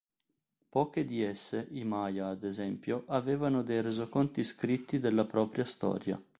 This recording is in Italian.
Poche di esse, i Maya ad esempio, avevano dei resoconti scritti della propria storia.